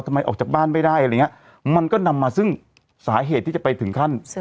ออกจากบ้านไม่ได้อะไรอย่างเงี้ยมันก็นำมาซึ่งสาเหตุที่จะไปถึงขั้น